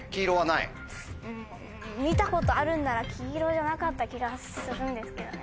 うん見たことあるんなら黄色じゃなかった気がするんですけどね。